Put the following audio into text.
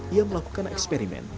ia melakukan eksperimen